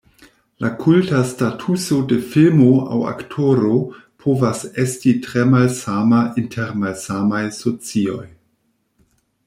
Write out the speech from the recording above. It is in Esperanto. La kulta statuso de filmo aŭ aktoro povas esti tre malsama inter malsamaj socioj.